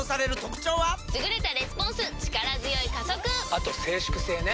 あと静粛性ね。